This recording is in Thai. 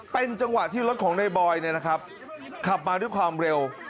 เป็นจังหวะที่รถของในบอยเนี่ยนะครับขับมาด้วยความเร็ว